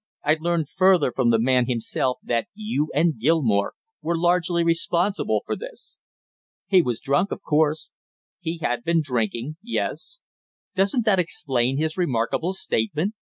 I learned further from the man himself that you and Gilmore were largely responsible for this." "He was drunk, of course." "He had been drinking yes " "Doesn't that explain his remarkable statement?